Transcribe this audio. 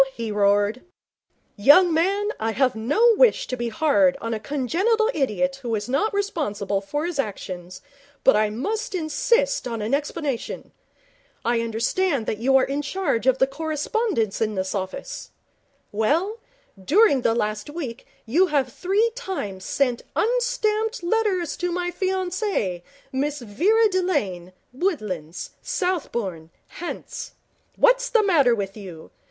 he roared. 'Young man, I have no wish to be hard on a congenital idiot who is not responsible for his actions, but I must insist on an explanation. I understand that you are in charge of the correspondence in this office. Well, during the last week you have three times sent unstamped letters to my fiancee, Miss Vera Delane, Woodlands, Southbourne, Hants. What's the matter with you?